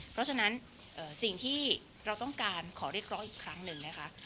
เพราะฉะนั้นสิ่งที่เราต้องการขอเรียกร้องอีกครั้งหนึ่งนะคะ